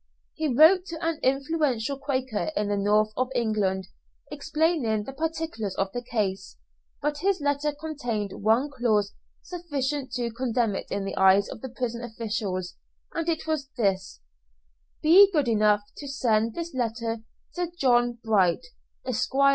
He wrote to an influential Quaker in the North of England, explaining the particulars of the case; but his letter contained one clause sufficient to condemn it in the eyes of the prison officials, and it was this, "Be good enough to send this letter to John Bright, Esq., M.